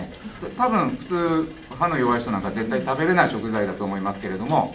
たぶん普通歯の弱い人なんか絶対食べられない食材だと思いますけれども。